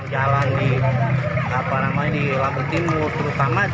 jalan di lampung timur